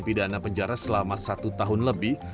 pidana penjara selama satu tahun lebih